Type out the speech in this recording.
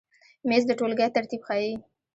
مېز د ټولګۍ ترتیب ښیي.